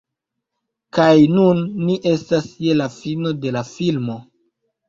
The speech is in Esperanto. Kaj nun ni estas je la fino de la filmo